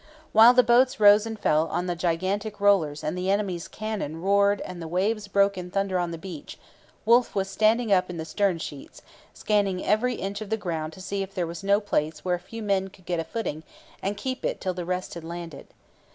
While the boats rose and fell on the gigantic rollers and the enemy's cannon roared and the waves broke in thunder on the beach, Wolfe was standing up in the stern sheets, scanning every inch of the ground to see if there was no place where a few men could get a footing and keep it till the rest had landed.